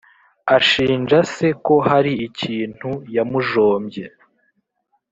ashinja se ko hari ikintu yamujombye.